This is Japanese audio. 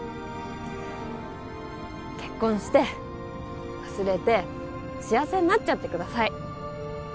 結婚して忘れて幸せになっちゃってください